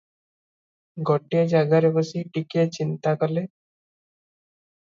ଗୋଟାଏ ଜାଗାରେ ବସି ଟିକିଏ ଚିନ୍ତା କଲେ।